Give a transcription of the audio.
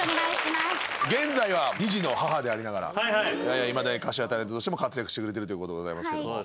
現在は２児の母でありながらいまだに歌手やタレントとしても活躍してくれてるということでございますけども。